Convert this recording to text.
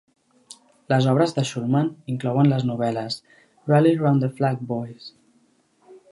Les obres de Shulman inclouen les novel·les Rally Round the Flag, Boys!